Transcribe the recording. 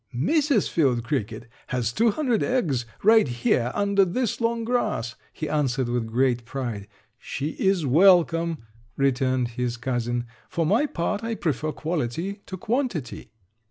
"Mrs. Field Cricket has two hundred eggs right here under this long grass," he answered with great pride. "She is welcome," returned his cousin; "for my part I prefer quality to quantity."